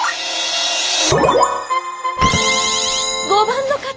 ５番の方